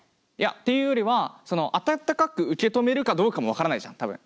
っていうよりはその温かく受け止めるかどうかも分からないじゃん多分。